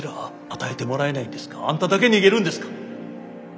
あんただけ逃げるんですか。